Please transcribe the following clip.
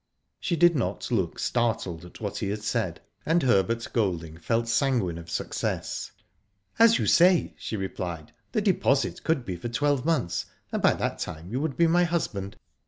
She did not look startled at what he had said, and Herbert Golding felt sanguine of success, " As you say," she replied, " the deposit could be for twelve months, and by that time you would be my husband.